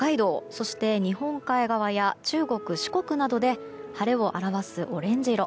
そして、日本海側や中国・四国などで晴れを表すオレンジ色。